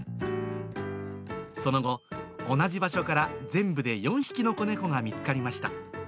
その後、同じ場所から全部で４匹の子猫が見つかりました。